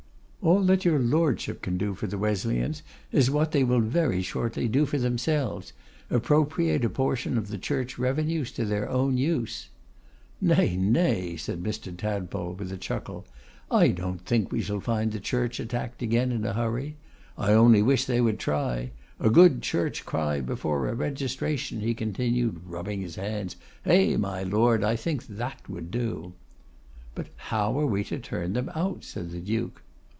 'All that your Lordship can do for the Wesleyans is what they will very shortly do for themselves, appropriate a portion of the Church Revenues to their own use.' 'Nay, nay,' said Mr. Tadpole with a chuckle, 'I don't think we shall find the Church attacked again in a hurry. I only wish they would try! A good Church cry before a registration,' he continued, rubbing his hands; 'eh, my Lord, I think that would do.' 'But how are we to turn them out?' said the Duke.